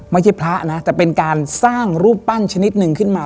ไม่ใช่พระนะแต่เป็นการสร้างรูปปั้นชนิดหนึ่งขึ้นมา